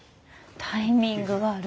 タイミングわる。